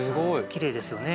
きれいですよね。